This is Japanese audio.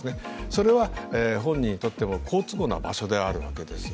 それは本人にとっても好都合な場所であるわけです。